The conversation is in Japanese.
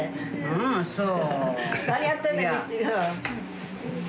うんそう。